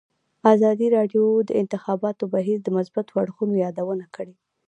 ازادي راډیو د د انتخاباتو بهیر د مثبتو اړخونو یادونه کړې.